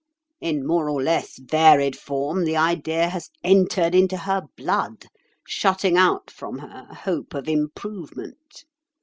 In more or less varied form the idea has entered into her blood, shutting out from her hope of improvement.